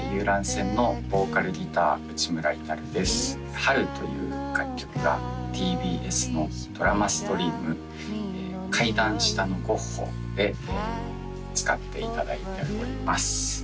船のボーカルギター内村イタルです「春」という楽曲がＴＢＳのドラマストリーム「階段下のゴッホ」で使っていただいております